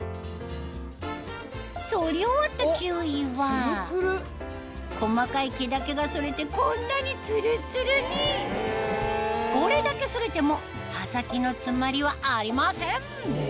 剃り終わったキウイは細かい毛だけが剃れてこんなにツルツルにこれだけ剃れても刃先の詰まりはありません